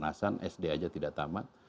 di nassan sd aja tidak tamat